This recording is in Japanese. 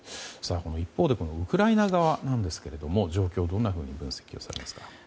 一方でウクライナ側なんですけれども状況をどんなふうに分析されますか。